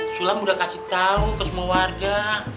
sulam udah kasih tau ke semua warga